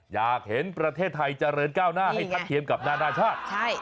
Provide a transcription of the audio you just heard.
อยากเห็นประเทศไทยเจริญก้าวหน้าให้ทัดเทียมกับนานาชาติ